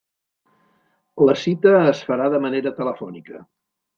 La cita es farà de manera telefònica.